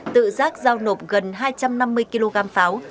tự giác giao nộp gần hai trăm năm mươi kg pháo